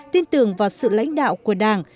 tin tưởng vào sự lãnh đạo của đảng